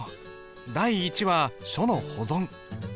第一は書の保存。